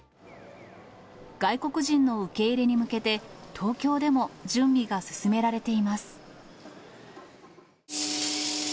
外国人の受け入れに向けて、東京でも準備が進められています。